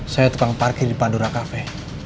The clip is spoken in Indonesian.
saya tegang parkir di pandora cafe